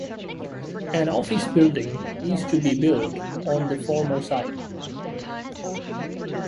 An office building is to be built on the former site.